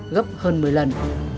gấp hơn một mươi lần